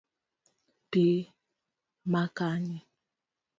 pi makanye?